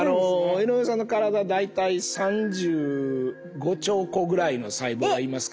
井上さんの体大体３５兆個ぐらいの細胞がいますから。